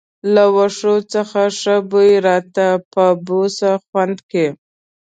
له وښو څخه ښه بوی راته، په بوس خونه کې.